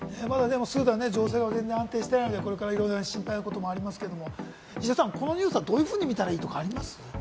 スーダン、情報が安定していないので、これからいろいろ心配なこともありますが、石田さん、このニュースはどういうふうに見たらいいとかはありますか？